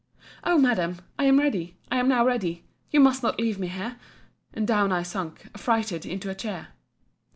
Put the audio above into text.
O Madam!—I am ready! I am now ready!—You must not leave me here. And down I sunk, affrighted, into a chair.